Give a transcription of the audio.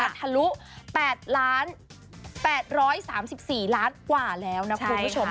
รัฐรุ๘๘๓๔๐๐๐บาทกว่าแล้วนะคุณผู้ชมค่ะ